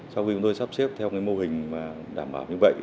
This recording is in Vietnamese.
sau khi chúng tôi sắp xếp theo cái mô hình đảm bảo như vậy